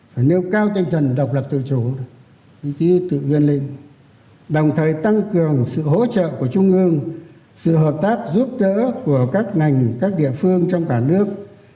và nêu cao tinh thần độc lập tự chủ ý thức tự viên linh đồng thời tăng cường sự hỗ trợ của trung ương sự hợp tác giúp đỡ của các ngành các địa phương trong cả nước